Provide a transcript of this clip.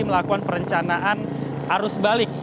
melakukan perencanaan arus balik